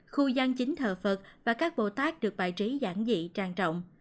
khu giang chính thờ phật và các bồ tác được bài trí giảng dị trang trọng